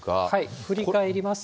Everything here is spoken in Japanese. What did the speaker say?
振り返りますと。